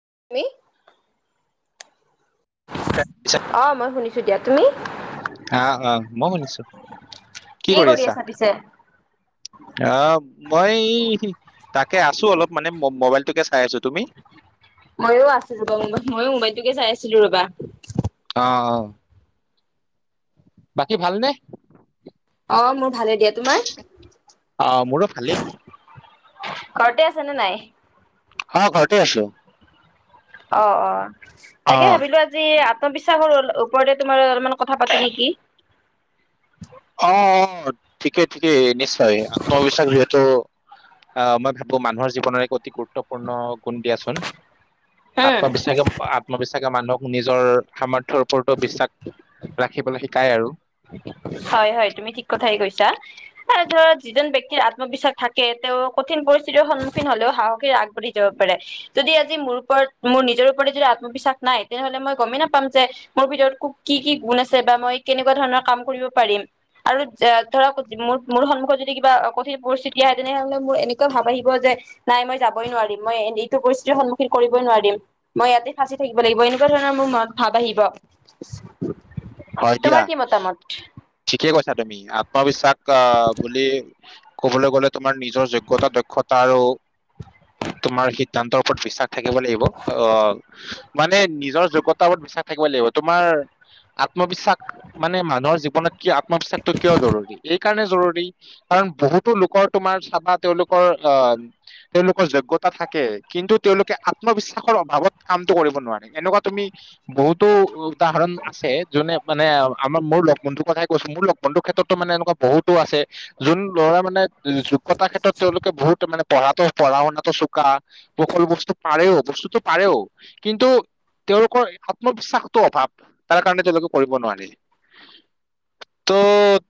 [inaudible] পিছে অ মই শুনিছো দিয়া, তুমি? আহ আহ মই শুনিছো কি কৰি আছা অ' মই তাকে আছো অলপ মানে মোবাইলটোকে চাই আছো, তুমি? ময়ো আছো ৰবা মোবাইল ময়ো মোবাইলটোকে চাই আছিলো ৰবা। অ' - অ ' বাকী ভালনে? অ মোৰ ভালে দিয়া, তোমাৰ অ 'মোৰো ভালেই। শুনিছনে নাই? হ ঘৰতেই আছো। অ -অ অ তাকে ভাবিলো আজি আত্মবিশ্বাসৰ অলপ। ওপৰতে তোমাৰ অলপমান কথা পাতো নেকি? অ -অ ঠিকেই ঠিকেই নিশ্চয় আত্মবিশ্বাস যিহেতু অ 'মই ভাবো মানুহৰ জীৱনৰ এক অতি গুৰুত্বপূৰ্ণ গুণ দিয়াচোন। উম আত্মবিশ্বাসে -আত্মবিশ্বাসে মানুহক নিজৰ সামৰ্থৰ ওপৰতো বিশ্বাস ৰাখি পেলাই শিকায় আৰু। হয় হয় তুমি ঠিক কথাই কৈছা ধৰা যিজন ব্যক্তিৰ আত্মবিশ্বাস থাকে তেওঁ কঠিন পৰিস্থিতিৰ সন্মুখীন হলেও সাহসেৰে আগবাঢ়ি যাব পাৰে। যদি আজি মোৰ ওপৰত মোৰ নিজৰ ওপৰত যদি আত্মবিশ্বাস নাই তেনেহ'লে মই গমেই নাপাম যে মোৰ ভিতৰত কি কি গুণ আছে বা মই কেনেকুৱা ধৰণৰ কাম কৰিব পাৰিম আৰু ধৰক মোৰ মোৰ সন্মুখত যদি কিবা কঠিন পৰিস্থিতি আহে তেনেহলে মোৰ এনেকুৱা ভাব আহিব যে নাই মই যাবই নোৱাৰিম মই এইটো পৰিস্থিতিৰ সন্মুখীন কৰিবই নোৱাৰিম মই ইয়াতে ফাঁচি থাকিব লাগিব এনেকুৱা ৰ মোৰ মন ভাৱ আহিব হয় তোমাৰ দিয়া কি মতামত? ঠিকে কৈছা তুমি আত্মবিশ্বাস আহ বুলি ক'বলৈ গলে তোমাৰ নিজৰ যোগ্য়তা দক্ষতা আৰু তোমাৰ সিদ্ধান্তৰ ওপৰত বিশ্বাস থাকিব লাগিব আহ মানে নিজৰ যোগ্যতাৰ ওপৰত থাকিব লাগিব তোমাৰ আত্মবিশ্বাস মানে মানুহৰ জীৱনত ক আত্মবিশ্বাসটো কিয় জৰুৰী এই কাৰণে জৰুৰী কাৰণ বহুতো লোকৰ তোমাৰ চাবা তেওঁলোকৰ অ তেওঁলোকৰ যোগ্য়তা থাকে কিন্তু তেওঁলোকে আত্মবিশ্বাসৰ অভাৱত কামতটো কৰিব নোৱাৰে এনেকুৱা তুমি বহুতো উদাহৰণ আছে যোনে মানে আমাৰ মোৰ লগ বন্ধুৰ কথাই কৈছো মোৰ লগ বন্ধুৰ ক্ষেত্ৰতো মানে এনেকুৱা বহুতো আছে যোন মানে যোগ্যতাৰ ক্ষেত্ৰত তেওঁলোকে বহুত মানে পঢ়া পঢ়া শুনাটো চোকা সকলো বস্তু পা বস্তুতটো পাৰে কিন্তু তেওঁলোকৰ আত্মবিশ্বাসটো অভাৱ তাৰ কাৰণ তেওঁলোকে কৰিব নোৱাৰি তো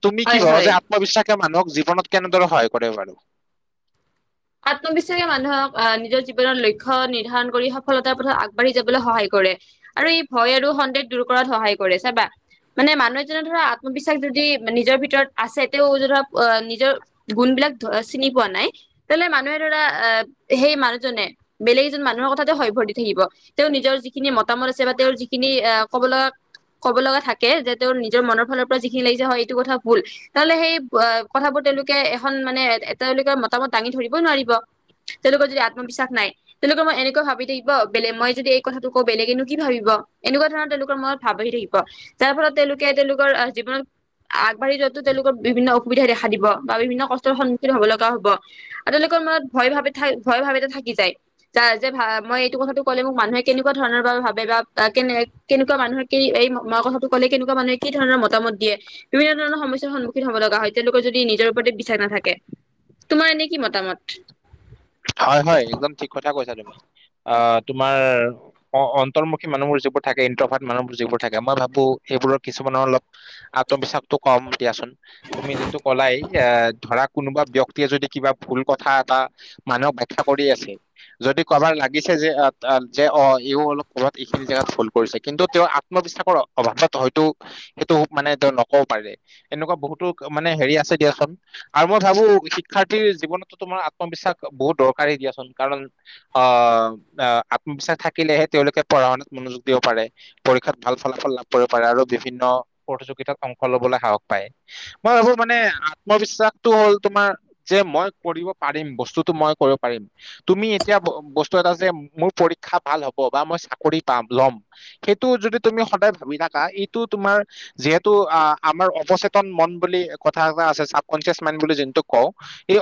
তুমি কি হয় ভৰ হয় যে আত্মবিশ্বাসে মানুহক জীৱনত কেনেদৰে সহায় কৰে বাৰু আত্মবিশ্বাসে মানুহক আহ নিজৰ জীৱনৰ লক্ষ্য নিৰ্ধাৰণ কৰি সফলতাৰ পথত আগবাঢ়ি যাবলৈ সহায় কৰে কৰে আৰু ই ভয় আৰু সন্দেহ দূৰ কৰাত সহায় কৰে চাবা মানে মানুহ এজনে ধৰা আত্মবিশ্বাস যদি নিজৰ ভিতৰত আছে তেওঁ ধৰা নিজৰ গুন্ লাক চিনি পোৱা নাই তেলে মানুহে ধৰা অ সেই মানুহজনে বেলেগ এজন মানুহৰ কথাতে সভ্যৰ্তি থাকিব তেওঁ নিজৰ যিখিনি মতামত আছে বা তেওঁৰ যিখিনি ক'ব লগা ক'ব লগা থাকে যে তেওঁৰ নিজৰ মনৰ ফালৰ পৰা যিখিনি লাগিছে হয় এইটো কথা ভুল তেহ'লে সেই কথাবোৰ তেওঁলোকে এখন মানে এ তেওঁলোকে মতামত দাঙি ধৰিবই নোৱাৰিব তেওঁলোকৰ যদি আত্মবিশ্বাস নাই তেওঁলোকৰ মই এনেকুৱৈ ভাবি থাকিব বেলেগ মই যদি এই কথাটো কওঁ বেলেগ কিন্তু কি ভাবিব এনেকুৱা ধৰণৰ তেওঁলোকৰ মনত ভাব আহি থাকিব যাৰ ফলত তেওঁলোকে তেওঁলোকৰ আহ জীৱনত আগবাঢ় যোৱাতো তেওঁলোকৰ বিভিন্ন অসুবিধা দেখা দিব বা বিভিন্ন কষ্টৰ সন্মুখীন হব লগা হব আৰু তেওঁলোকৰ মনত ভয় ভাৱ থ ভয় ভাৱ এটা থাকি যায় য যে মই এইটো কথাাতটো কলে মোক মানুহে কেনেকুৱা ধৰণৰ বা ভাবে বা কেনে কেনেকুৱা মানুহে কি এই কথাটো ক'লে কেনেকুৱা মানুহে কি ধৰণৰ মতামত দিয়ে বিভিন্ন ধৰণৰ সমস্যাৰ সন্মুখীন হব লগা হয় তেওঁলোকৰ যদি নিজৰ ওপৰত বিশ্বাস নাথাকে তোমাৰ এনেকি মতামত হয় হয় একদম ঠিক কথা কৈছা তুমি অ তোমাৰ অ অন্তৰ্মুখী মানুহবোৰ যিবোৰ থাকে ইণ্ট্ৰভাট মানুহবোৰ যিবোৰ থাকে মই ভাবো সবোৰ কিছুমানৰ অলপ আত্মবিশ্বাসতটো কম দিয়াচোন তুমি যোনটো কলাই এ ধৰা কোনোবা ব্যক্তিয়ে যদি কিবা ভুল কথা এটা মানুহক বাখ্যা কৰি আছে যদি কবাৰ লাগিছে যে যে অ এইও অলপ ক'ৰবাত এইখিনি জেগাত ভুল কৰিছে কিন্তু তেওঁ আত্মবিশ্বাসৰ অভাৱত হয়তো সেইটো মানে তেওঁ নকব পাৰে এনে বহুতো মানে হেৰি আছে দিয়াচোন আৰু মই ভাবো শিক্ষাৰ্থীৰ জীৱনতো তোমাৰ আত্মবিশ্বাস বহুত দৰকাৰী দিয়াচোন কাৰণ আহ আত্মবিশ্বাস থাকিলেহে তেওঁলোকে পঢ়া শুনাত মনযোগ দিব পাৰে পৰীক্ষাত ভাল ফলাফল লাভ কৰিব পাৰে আৰু বিভিন্ন প্ৰতিযোগিতাত অংশ লবলৈ সাহস পায় মই ভাবো মানে আত্মবিশ্বাসটো হ'ল তোমাৰ যে মই কৰিব পাৰিম বস্তু টো মই কৰিব পাৰিম তুমি এতিয়া বস্তু এটা যে মোৰ পৰীক্ষা ভাল হ'ব বা মই চাকৰি পাম লম সেইটো যদি তুমি সদায় ভাবি থাকা এইটো তোমাৰ যিহেতু আমাৰ অ সেতন মন বুলি কথা আছে চাবকনচিয়চ মাইড বুলি যোনটো ক এই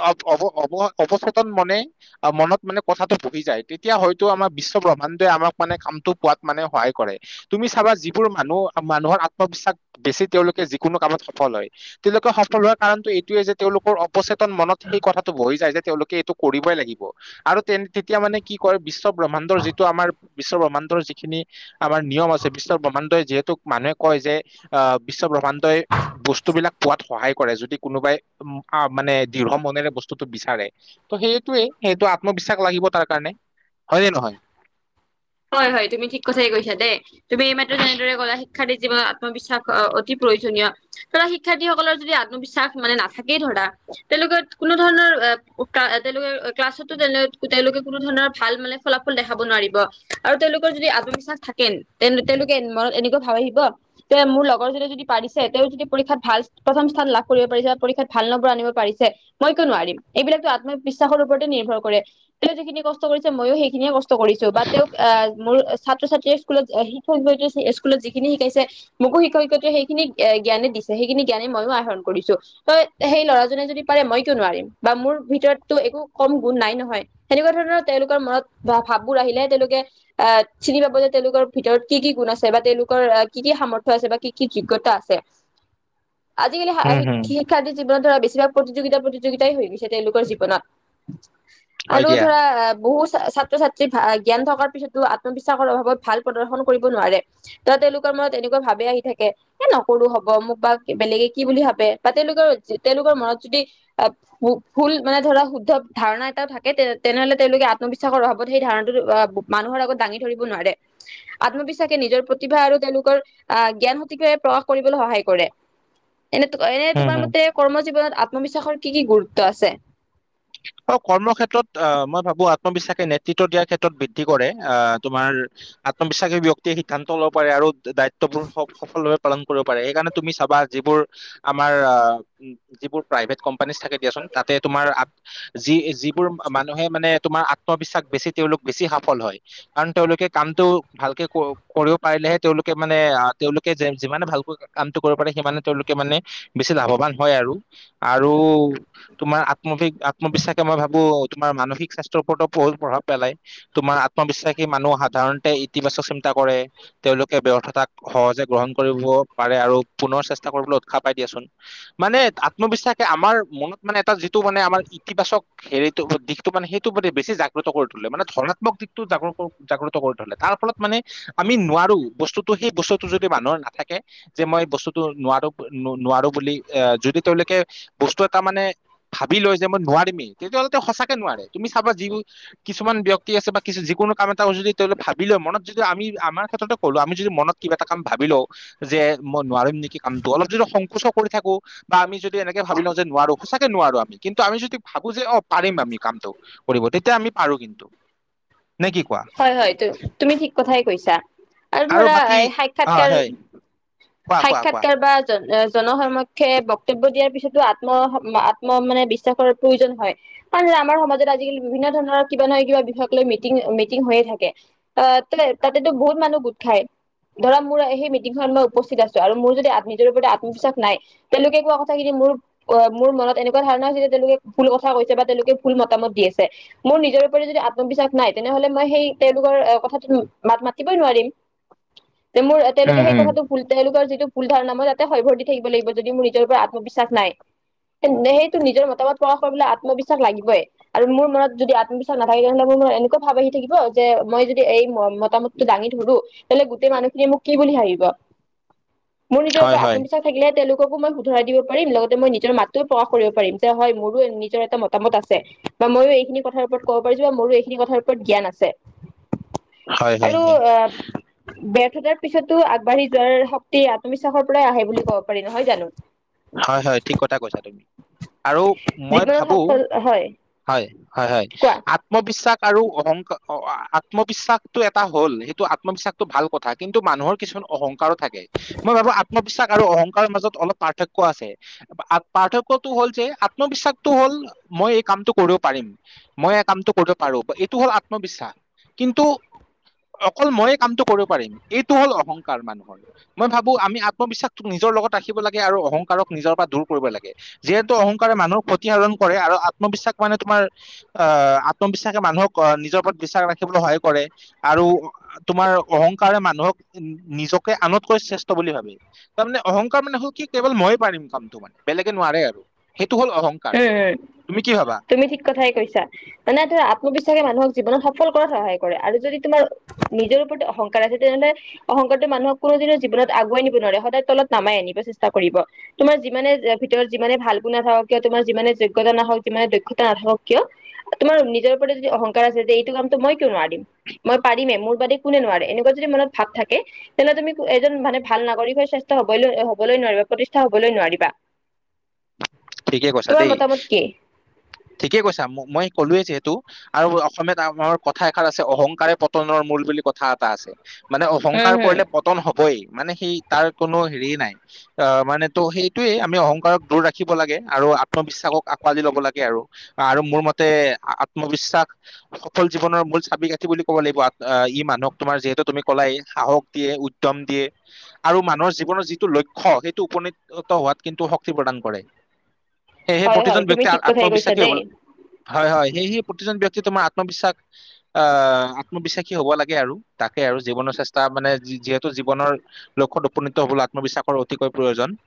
অ মনত মানে কথাটো বহি যায় তেতিয়া হয়তো আমাৰ বিশ্ব ব্ৰহ্মাণ্ডই আমাক মানে কামটো পোৱা মানে সহায় কৰে তুমি চাবা যিবোৰ মানুহ মানুহৰ আত্মবিশ্বাস বেছি তেওঁলোকে যিকোনো কামত সফল হয় তেওঁলোকে সফল হোৱাৰ কাৰণটো এইটোোৱে যে তেওঁলোকৰ অচেতন মনত সেই কথাটো বহি যায় যে তেওঁলোকে এইটো কৰিবই লাগিব আৰু তে তেতিয়া মানে কি কয় বিশ্ব ব্ৰহ্মাডৰ যিটো আমাৰ বিশ্ব ব্ৰহ্মাণ্ড যিখিনি আমাৰ নিয়ম আছে বিশ্ব ব্ৰহ্মাণ্ডই যিহেতু মানুহে কয় যে আহ বিশ্ব ব্ৰহ্মাণ্ডই বস্তুবিলাক পোৱাত সহায় কৰে কৰে যদি কোনোবাই মানে দৃঢ় মনেৰে বস্তুটো বিচাৰে ত সেইটোৱে সেইটো আত্মবিশ্বাস লাগিব তাৰ কাৰণে হয়নে নহয় হয় হয় তুমি ঠিক কথাই কৈছা দেই তুমি এই মাত্ৰ যেনেদৰে গ'লা শিক্ষাৰ্থীৰ জীৱনত আত্মবিশ্বাস অতি প্ৰয়োজনীয় ধৰা শিক্ষাৰ্থীসকলৰ যদি আত্মবিশ্বাস মানে নাথাকেই ধৰণ লোকে কোনো ধৰণৰলোকে ক্লাছতলোকে কোনো ধৰণৰ ভাল ভাল মানে ফলাফল দেখাব নোৱাৰিব আৰু তেওঁলোকৰ যদি আত্মবিশ্বাস থাকেন তে তেওঁলোকে মনত এনেকুৱা ভাব আহিব তে মোৰ লগৰ জতে যদি পাৰিছে তেওঁ যদি পৰীক্ষাত ভাল প্ৰথম স্থান লাভ কৰিব পাৰিছে বা পৰীক্ষাত ভাল নম্বৰ আনিব পাৰিছে মই কিয়ো নোৱাৰিম এইবিলাকো আত্মবিশ্বাসৰ ওপৰতে নিৰ্ভৰ কৰে তেওঁ যিখিনি কষ্ট কৰিছে ময়ো সেইখিনিয়ে কষ্ট কৰিছো বা তেওঁ মোৰ ছাত্ৰ ছাত্ৰীয়ে স্কুলত শিক্ষয়্ষয়্ৰী স্কুলত যিখিনি শিকাইছে মোকো শিক্ষয়্ষত সেইখিনিক জ্ঞানে দিছে সেইখিনি জ্ঞানে মইো আহৰণ কৰিছো ত সেই ল'ৰাজনে যদি পাৰে মই কিয় নোৱাৰিম বা মোৰ ভিতৰতো একো কম গুণ নাই নহয় সেনেকুৱা ধৰণৰ তেওঁলোকৰ মনত ভাৱবোৰ আহিলেহে তেওঁলোকে অ চিনি পাব যে তেওঁলোকৰ ভিতৰত কি কি গুণ আছে বা তেওঁলোকৰ কি কি সামৰ্থয় আছে বা কি কি যোগ্যতা আজিকালি উম হম শিক্ষাৰ্থীৰ জীৱনত ধ বেছিভাগ প্ৰতি যোগিতা প্ৰতিযোগিতাই হৈ গৈছে তেওঁলোকৰ জীৱনত হয় আৰু দিয়া ধৰা বহু ছাত্ৰ ছাত্ৰ্ৰী জ্ঞান থকাৰ িো আত্মবিশ্বাসৰ অভাৱত ভাল প্ৰদৰ্শন কৰিব নোৱাৰে ত তেওঁলোকৰ মনত এনেকুৱা ভাৱে আহি থাকে নকৰো হব মোক বা বেলেগে কি বুলি ভাবে বা তেওঁলোকৰ তেওঁলোকৰ মনত যদি আহ ভুল মানে ধৰা শুদ্ধ ধাৰণা এটাও থাকে তে তেনেহলে তেওঁলোকে আত্মবিশ্বাসৰ অভাৱত সেই ধাৰণাটো মানুহৰ আগত দাঙি ধৰিব নোৱাৰে আত্মবিশ্বাসে নিজৰ প্ৰতিভা আৰু তেওঁলোকৰ আহ জ্ঞান সতিকাৱে প্ৰশ কৰিবলৈ সহায় কৰে এনে এনে উম তোমাৰ হম মতে কৰ্ম জীৱনত আত্মবিশ্বাসৰ কি কি গুৰুত্ব আছে কৰ্মক্ষ্ষেত্ৰত আহ মই ভাবো আত্মবিশ্বাসে নেতৃত্ব দিয়াৰ ক্ষেত্ৰত বৃদ্ধি কৰে আহ তোমাৰ আত্মবিশ্বাসী ব্যক্তিয়ে সিদ্ধান্ত ল'ব পাৰে আৰু দায়িত্ববোৰ সফলভাৱে পালন কৰিব পাৰে সেইকাৰণে তুমি চাবা য [unintelligible] যি যিবোৰ মানুহে মানে তোমাৰ আত্মবিশ্বাস বেছি তেওঁলোক বেছি সফল হয় কাৰণ তেওঁলোকে কামটো ভালকে কৰিব পাৰিলেহে তেওঁলোকে মানে তেওঁলোকে যিমানে ভালকৈ কামটো কৰিব সিে তেওঁলোকে মানে বেছি লাভৱান হয় আৰু আৰু তোমাৰ আত্মবিিক তোমাৰ মানসিক স্বাস্থ্যৰ ওপৰতও বহুত প্ৰভাৱ পেলাই তোমাৰ আত্মবিশ্বাসী মানুহ সাধাৰণতে ইতিবাচক চিন্তা কৰে তেওঁলোকে ব্যৰ্থতাক সহজে গ্ৰহণ কৰিব পাৰে আৰু পুনৰ চেষ্টা কৰিবলৈ উৎসাহ পাই দিয়া মানে আত্মবিশ্বাসে আমাৰ মনত মানে এটা যিটো মানে আমাৰ ইতিবাচক হেৰিটো দিশতটো মানে সেইটো মানে বেছি জাগ্ৰত কৰি তুললে মানে ধৰ্নাত্মক দিশটো জ তাৰ ফলত মানে আমি নোৱাৰো বস্তুতটো সেই বস্তুতটো যদি মানুহৰ নাথাকে যে মই বস্তুতটো নো বুলি যদি তেওঁলোকে বস্তু এটা মানে ভাবি লৈ মই নোৱাৰিমেই তেতিয়াহ'লে সঁচাকে নোৱাৰে তুমি চাবা যি কিছুমান ব্ক্তি আছে বা যিকোনো কাম এটা ভাবি ল মনত যদি আমি আমাৰ ক্ষেত্ৰতে ক'লো আমি যদি মন কা এ কাম ভাবি লওঁ যে মই পিম নেকি কামটো অলপ যদি সংকোচো কৰি থাকো বা আমি যদি এনেকে ভাবি লওঁ যে নোৱাৰো সঁচাকে নোৱাৰো আমি কিন্তু আমি যদি ভাবো যে অ পাৰিম আমি কামটো কৰিব তেতিয়া আমি পাৰো কিন্তু নে কি কোৱা হয় হয় তুমি ঠিক কথাই কৈছা আৰু ধৰা এ অ সাক্ষাৎকাৰ হয় কোৱা কোৱা কোৱা সাক্ষাৎকাৰ বা জনসক্ষে বক্তব্য দিয়াৰ পিছতো আত্ম আত্ম মানে বিশ্বাসৰ প্ৰয়োজন হয় মান আমাৰ সমাজত আজিকালি বিভিন্ন ধৰণৰ কিবা নহ কিবা বিষয় লৈ মিং হৈয়ে থাকে আহ তলে তাতেতো বহুত মানুহ গোট খায় ধৰা মোৰ সেই মিটিংখনত মই উপস্থিত আছো আৰু মোৰ যদি নিজৰ ওপ আত্মবিশ্বাস নাই তেওঁলোকে কোৱা কথাখিনি মোৰ মোৰ মনত এনেকুৱা ধাৰণা হৈছে যে তেওঁলোকে ফুল কথা কৈছে বা তেওঁলোকে ফুল মতামত দি আছে মোৰ নিজৰ [unintelligible] আত্মবিশ্বাস নাই তেন্ত। তেনেহলে মই সেই তেওঁলোকৰ কথাটোত মাত মাতিবই নোৱাৰিম। তে মোৰ উম তেওঁলোকে সেই হম কথাটো ভুল তেওঁলোকৰ যিটো। ভুল ধাৰণা মই তাতে হয়ভৰ দি থাকিব লাগিব যদি মোৰ নিজৰ ওপৰত আত্মবিশ্বাস নাই। সেইটো নিজৰ মতামত প্ৰকাশ কৰিবলৈ আত্মবিশ্বাস লাগিবই আৰু মোৰ মনত যদি আত্মবিশ্বাস নাথাকে তেনেহ'লে মোৰ মনত এনেকুৱা। ভাৱ আহি থাকিব যে মই যদি এই মতামতটো দাঙি ধৰো তেনেহলে গোটেই মানুহখিনিয়ে মোক কি বুলি ভাবিব। মোৰ নিজৰ হয় পৰা হয় আত্মবিশ্বাস থাকিলে তেওঁলোক। কো মই শুধৰাই দিব পাৰিম লগতে মই নিজৰ মাতটোও প্ৰকাশ কৰিব পাৰিম যে হয় মোৰো নিজৰ এটা মতামত আছে। বা মইয়ো এইখিনি কথাৰ ওপৰত ক'ব পাৰি বা মোৰো এইখিনি কাৰ ওপৰত জ্ঞান আছে। হয় হয় আৰু হয় আ বে। তাৰ পিছতো আগবাঢ়ি যোৱাৰ শক্তি আত্মবিশ্বাসৰ পৰাই আহে বুলি ক'ব পাৰি নহয় জানো। হয় হয় ঠিক কথা কৈছা তুমি। আৰু মই জীৱনত ভাবো সফল হয় হয় হয় হয় কোৱা আত্মবিশ্বাস। আৰু অহংকাৰ আত্মবিশ্বাসটো এটা হ'ল সেইটো আত্মবিশ্বাসটো ভাল কথা কিন্তু মানুহৰ কিছুমান। অহংকাৰো থাকে মই ভাবো আত্মবিশ্বাস আৰু অহংকাৰৰ মাজত অলপ পাৰ। পাৰ্থক্য আছে পাৰ্থক্য হ'ল যে আত্মবিশ্বাসটো হ'ল মই এই কামটো কৰিব পাৰিম। মই এই কামটো কৰিব পাৰো এইটো হ'ল আত্মবিশ্বাস কিন্তু। অকল ময়ে কামটো কৰিব পাৰিম এইটো হ'ল অহংকাৰ মানুহৰ মই ভাবো আমি আত্মবিশ্বাসক নিচ। নিজৰ লগত ৰাখিব। আৰু অহংকাৰক নিজৰ পৰা দূৰ কৰিব লাগে যিহেতু অহংকাৰে মানুহৰ ক্ষতি আহৰণ কৰে আৰু আত্মবিশ্বাস মানে তোমাৰ। আত্মবিশ্বাসে মানুহক নিজৰ ওপৰত বিশ্বাস ৰাখিবলৈ সহায় কৰে আৰু। তোমাৰ অহংকাৰে মানুহক নিজকে আনতকৈ শ্ৰেষ্ঠ বুলি ভাবে তাৰমানানে অহংকাৰ মানে হ'ল কি। কেৱল ময়ে পাৰিম কামটো মানে বেলেগে নোৱাৰে আৰু। হ'ল অহংকাৰ উম উম তুমি কি ভাবা তুমি ঠিক কথাই কৈছা মানে ধৰা আত্মবিশ্বাসে মানুহক। জীৱনত সফল কৰাত সহায় কৰে আৰু যদি তোমাৰ নিজৰ ওপৰত অহংকাৰ আছে তেনেহলে অহংকাৰটো মানুহক কোনো। জীৱনত আগুৱাই নিব নোৱাৰে সদায় তলত নামাই আনিব চেষ্টা কৰিব তোমাৰ যিমানে ভিতৰত যিমানে ভাল গুণ নাথাকক। কিয় তোমাৰ যিমানে যোগ্যতা নাথাকক যিমানে দক্ষতা নাথাকক কিয়। তোমাৰ নিজৰ ওপৰত যদি অহংকাৰ আছে যে এইটো কামতো মই কিয় নোৱাৰিম মই পাৰিমে মোৰ। বাদে কোনেও নোৱাৰে এনেকুৱা যদি ভাব থাকে তেনেহলে তুমি এজন ভাল নাগৰিক হোৱাৰ চেষ্টা হবলৈ হবলৈ। নোৱাৰা প্ৰতিষ্ঠা হবলৈ নোৱাৰিবা। ঠিকে কৈছা তোমাৰ দেই মতামত কি ঠিকে কৈছা মই ক'লোৱে যিহে। তু আৰু অসমীয়াত আমাৰ কথা এষাৰ আছে অহংকাৰে পতনৰ মূল বুলি কথা এটা আছে। মানে উম অহংকাৰ হম কৰিলে পতন হব। হবই মানে সেই তাৰ কোনো হেৰি নাই অ মানে তো সেইটোয়ে আমি অহংকাৰক দূৰ ৰাখি। লাগে আৰু আত্মবিশ্বাসক আকোৱালি ল'ব লাগে আৰু আৰু মোৰ মতে আত্মবিশ্বাস। সফল জীৱনৰ মূল চাবি গাঁঠি বুলি ক'ব লাগিব ই মানুহক তোমাৰ যিহেতু তুমি কলাই সাহস দিয়ে উদ্যম। উম দিয়ে আৰু মানুহৰ জীৱনৰ যিটো লক্ষ্য সেইটো উপনীতত হোৱাত কিন্তু শক্তি প্ৰদান কৰে। সেয়েহে হয় হয় প্ৰতিজন তুমি ব্যক্তিয়ে ঠিক কথাই কৈছা আত্মবিশ্বাসি হব দেই। হয় হয় সেয়েহে প্ৰতিজন ব্যক্তি। তোমাৰ আত্মবিশ্বাস আহ আত্মবিশ্বাসী হ'ব লাগে আৰু তাকে আৰু জীৱনৰ চেষ্টা মানে। যিহেতু জীৱনৰ লক্ষ্যত উপনীত হবলৈ আত্মবিশ্বাসৰ অতিকৈ প্ৰয়োজন।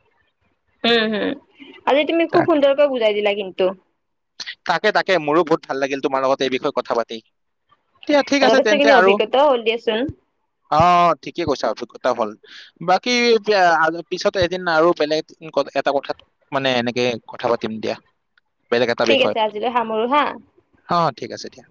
উম হম আজি তুমি খুব তাক সুন্দৰকৈ বুজাই দিলা কিন্তু। তাকে তাকে মোৰো বহুত ভাল লাগিল তোমাৰ লগত এই বিষয়ে কথা পাতি। এয়া ঠিক আছে তেন্তে যথেষ্টখিনি আৰু অভিজ্ঞতাও হ'ল দিয়াচোন। অ ঠিকে কৈছা অ। হল বাকী পিছত এদিন আৰু বেলেগ এটা কথাত মানে এনেকে। এ কথা পাতিম দিয়া। বেলেগ এটা ঠিক বিষয়ত আছে আজিলৈ সামৰো হা। অ ঠিক আছে দিয়া।